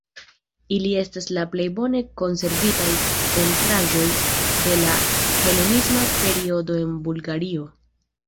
Ili estas la plej bone konservitaj pentraĵoj de la helenisma periodo en Bulgario.